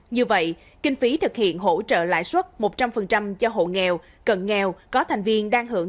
như vậy kinh phí thực hiện hỗ trợ lãi suất một trăm linh cho hộ nghèo cận nghèo có thành viên đang hưởng